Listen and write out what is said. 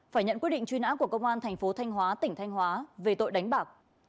phải nhận quyết định truy nã của công an thành phố thanh hóa tỉnh thanh hóa về tội đánh bạc